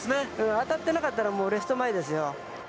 当たってなかったら、レフト前ですよ。